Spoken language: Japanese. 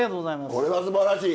これはすばらしい！